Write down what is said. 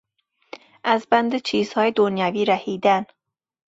از بند چیزهای دنیوی رهیدن